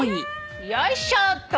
よいしょっと。